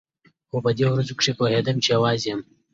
خو په دې ورځو کښې پوهېدم چې يوازې يم.